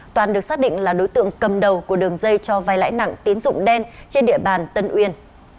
toàn được xác định là đối tượng cầm đầu của đường dây cho vai lãi nặng tiến dụng đen trên địa bàn tân uyên